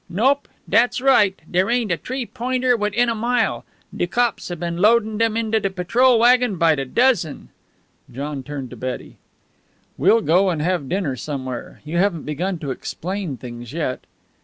"Nope. Dat's right. Dere ain't a T'ree Pointer wit'in a mile. De cops have been loadin' dem into de patrol wagon by de dozen." John turned to Betty. "We'll go and have dinner somewhere. You haven't begun to explain things yet."